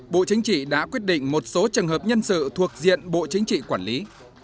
bộ chính trị đã quyết định một số trường hợp nhân sự thuộc diện bộ chính trị quản lý